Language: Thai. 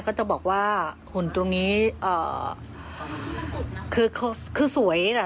ก็จะบอกว่าหุ่นตรงนี้เอ่อคือเขาคือสวยน่ะ